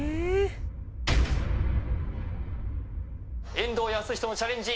遠藤保仁のチャレンジ